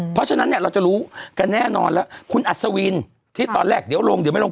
เพราะฉะนั้นเนี่ยเราจะรู้กันแน่นอนแล้วคุณอัศวินที่ตอนแรกเดี๋ยวลงเดี๋ยวไม่ลง